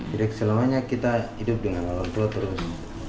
jadi selamanya kita hidup dengan orang tua terus